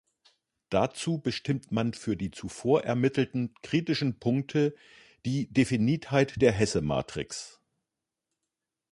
Dazu bestimmt man für die zuvor ermittelten kritischen Punkte die Definitheit der Hesse-Matrix.